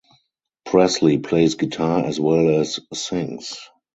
Presley plays guitar as well as sings.